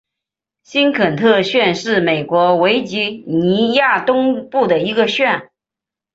新肯特县是美国维吉尼亚州东部的一个县。